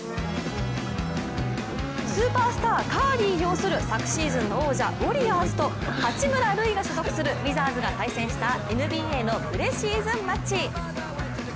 スーパースターカリー擁する昨シーズン王者のウォリアーズと八村塁が所属するウィザーズが対戦したＮＢＡのプレシーズンマッチ。